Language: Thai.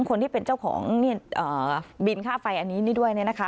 คนที่เป็นเจ้าของบินค่าไฟอันนี้ด้วยนะคะ